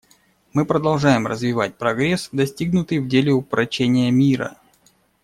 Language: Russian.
Мы продолжаем развивать прогресс, достигнутый в деле упрочения мира.